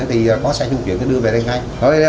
thì có xe chung chuyển đưa về đây ngay